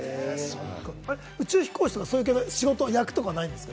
宇宙飛行士とかそういう系の役はないんですか？